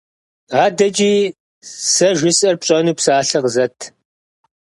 АдэкӀи сэ жысӀэр пщӀэну псалъэ къызэт.